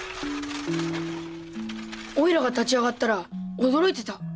おいらが立ち上がったら驚いてた。